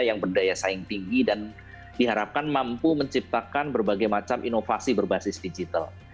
yang berdaya saing tinggi dan diharapkan mampu menciptakan berbagai macam inovasi berbasis digital